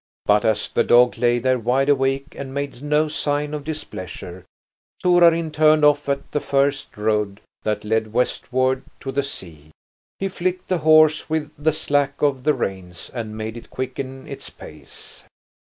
But as the dog lay there wide awake and made no sign of displeasure, Torarin turned off at the first road that led westward to the sea. He flicked the horse with the slack of the reins and made it quicken its pace.